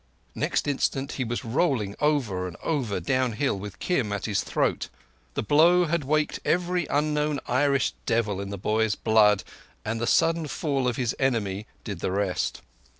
Next instant he was rolling over and over downhill with Kim at his throat. The blow had waked every unknown Irish devil in the boy's blood, and the sudden fall of his enemy did the rest.